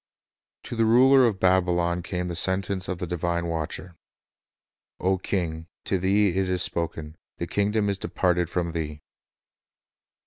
"" To the ruler of Babylon came the sentence of the Retribution divine Watcher: O king, "to thee it is spoken: The kingdom is departed from thee."